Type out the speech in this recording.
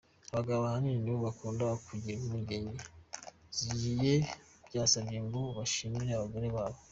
Abagabo ahanini, nibo bakunda kugira impungenge z’igihe byasaba ngo bashimishe abagore babo.